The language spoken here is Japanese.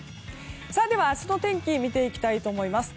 では、明日の天気を見ていきたいと思います。